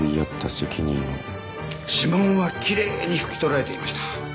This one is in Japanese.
指紋はきれいに拭き取られていました。